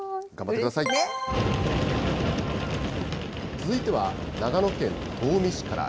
続いては、長野県東御市から。